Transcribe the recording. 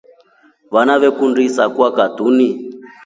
Vana veekundi isaakwa katuni.